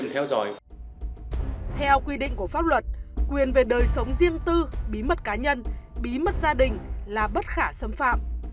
theo quy định của pháp luật quyền về đời sống riêng tư bí mật cá nhân bí mật gia đình là bất khả xâm phạm